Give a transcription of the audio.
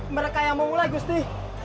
mereka yang memulai gusti